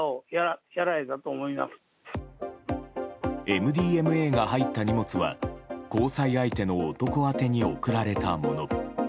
ＭＤＭＡが入った荷物は交際相手の男宛てに送られたもの。